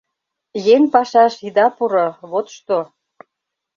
— Еҥ пашаш ида пуро, вот што!